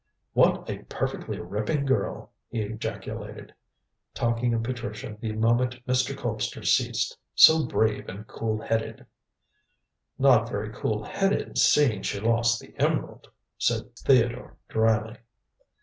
"What a perfectly ripping girl!" he ejaculated, talking of Patricia the moment Mr. Colpster ceased; "so brave and cool headed." "Not very cool headed, seeing she lost the emerald," said Theodore dryly.